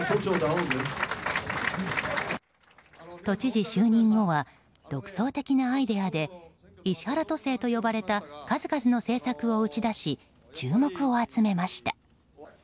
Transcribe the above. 都知事就任後は独創的なアイデアで石原都政と呼ばれた数々の政策を打ち出し注目を集めました。